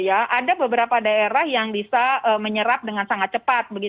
ada beberapa daerah yang bisa menyerap dengan sangat cepat